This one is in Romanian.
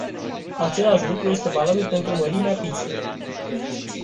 Același lucru este valabil pentru mărimea pizzei.